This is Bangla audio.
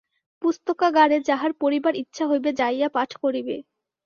পুস্তকাগারে যাহার পড়িবার ইচ্ছা হইবে, যাইয়া পাঠ করিবে।